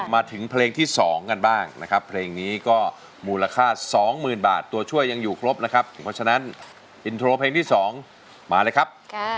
มาถึงเพลงที่๒กันบ้างนะครับเพลงนี้ก็มูลค่า๒๐๐๐บาทตัวช่วยยังอยู่ครบนะครับเพราะฉะนั้นอินโทรเพลงที่๒มาเลยครับ